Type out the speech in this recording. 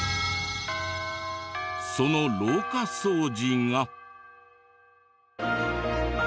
その廊下掃除が。